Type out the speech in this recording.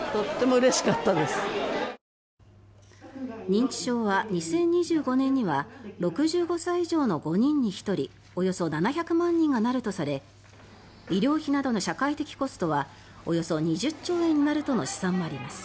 認知症は２０２５年には６５歳以上の５人に１人およそ７００万人がなるとされ医療費などの社会的コストはおよそ２０兆円になるとの試算もあります。